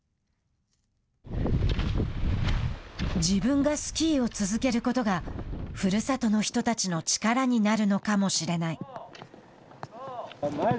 自分がスキーを続けることがふるさとの人たちの力になるのかもしれない。